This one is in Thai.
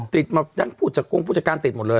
ติดมาทั้งผู้จัดกงผู้จัดการติดหมดเลย